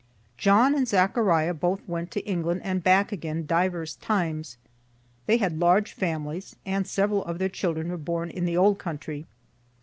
John and Zechariah both went to England and back again divers times; they had large families, and several of their children were born in the old country.